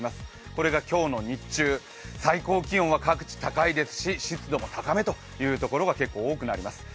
これが今日の日中、最高気温は各地高いですし、湿度も高めというところが多くなります。